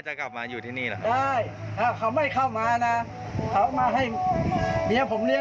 พอเขาก็มีปัญหาอยู่ถุ้มอยู่ในกลุ่มนี้